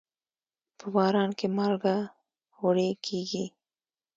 په باران کې مالګه وړي کېږي.